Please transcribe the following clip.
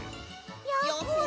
やころが。